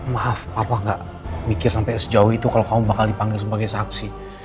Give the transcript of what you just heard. maaf apa gak mikir sampai sejauh itu kalau kamu bakal dipanggil sebagai saksi